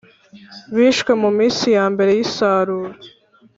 Bishwe mu minsi ya mbere y isarura